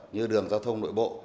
như đường giao thông nội bộ